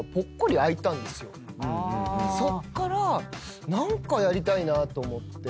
そっから何かやりたいなと思って。